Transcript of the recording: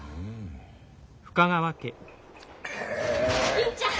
銀ちゃん！